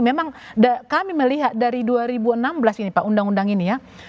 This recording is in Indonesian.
memang kami melihat dari dua ribu enam belas ini pak undang undang ini ya